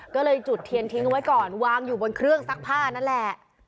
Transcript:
ก็เลยจุดเทียนทิ้งเอาไว้ก่อนวางอยู่บนเครื่องซักผ้านั่นแหละ